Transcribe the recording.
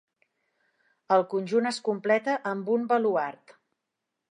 El conjunt es completa amb un baluard.